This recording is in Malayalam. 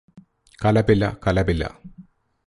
കലപില കലപില